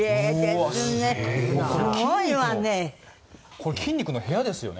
これ筋肉の部屋ですよね。